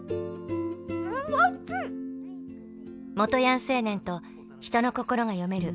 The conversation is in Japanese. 元ヤン青年と人の心が読める